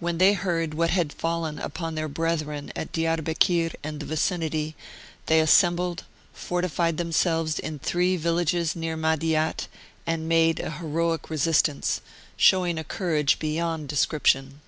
When they heard what had fallen upon their brethren at Diarbekir and the vicinity they assembled, fortified them selves in three villages near Madiat, and made a heroic resistance, showing a courage beyond de Martyred Armenia 31 scription.